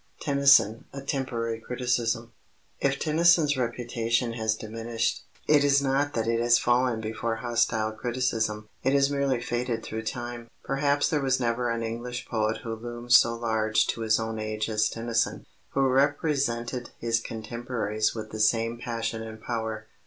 XIII. TENNYSON: A TEMPORARY CRITICISM If Tennyson's reputation has diminished, it is not that it has fallen before hostile criticism: it has merely faded through time. Perhaps there was never an English poet who loomed so large to his own age as Tennyson who represented his contemporaries with the same passion and power.